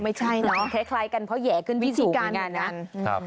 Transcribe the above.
ไม่ใช่เนอะคล้ายกันเพราะแห่ขึ้นที่สูงอย่างนั้นนะ